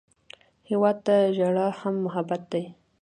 هېواد ته ژړا هم محبت دی